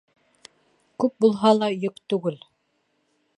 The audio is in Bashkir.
Күп булһа ла йөк түгел.